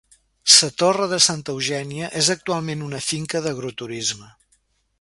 Sa Torre de Santa Eugènia és actualment una finca d'agroturisme.